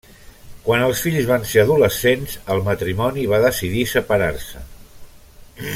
Quan els fills van ser adolescents, el matrimoni va decidir separar-se.